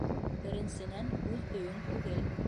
Беренсенән, үҙ өйөң түгел...